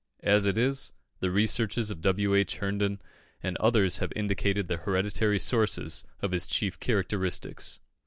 As it is, the researches of W. H. Herndon and others have indicated the hereditary sources of his chief characteristics.